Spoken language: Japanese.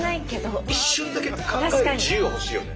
一瞬だけ考える自由は欲しいよね。